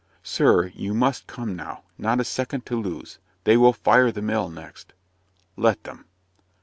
"Sir, you must come now. Not a second to lose they will fire the mill next." "Let them."